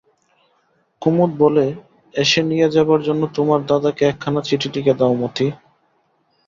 কুমুদ বলে, এসে নিয়ে যাবার জন্য তোমার দাদাকে একখানা চিঠি লিখে দাও মতি।